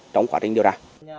trong quá trình điều tra